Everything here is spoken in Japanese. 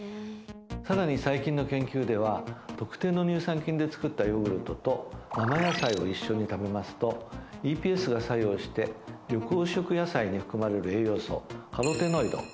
さらに最近の研究では特定の乳酸菌でつくったヨーグルトと生野菜を一緒に食べますとＥＰＳが作用して緑黄色野菜に含まれる。